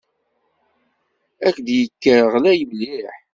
Ad k-d-yekker ɣlay mliḥ.